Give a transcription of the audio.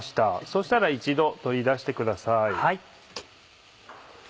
そしたら一度取り出してください。